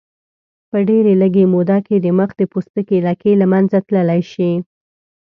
په ډېرې لږې موده کې د مخ د پوستکي لکې له منځه تللی شي.